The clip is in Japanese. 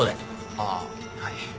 ああはい。